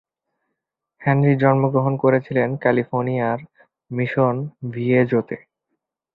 Henry জন্মগ্রহণ করেছিলেন ক্যালিফোর্নিয়ার মিশন ভিয়েজোতে।